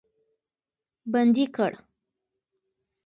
بندي کړ.